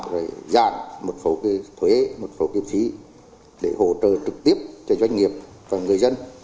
rồi giảm một số thuế một số kiếp trí để hỗ trợ trực tiếp cho doanh nghiệp và người dân